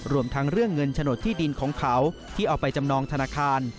รวมทั้งเรื่องเงินโฉนดที่ดินของเขาที่เอาไปจำนองธนาคาร